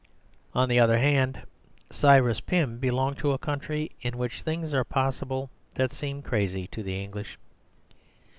On the other hand, Cyrus Pym belonged to a country in which things are possible that seem crazy to the English.